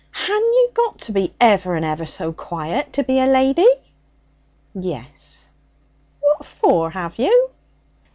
'Han you got to be ever and ever so quiet to be a lady?' 'Yes.' 'What for have you?'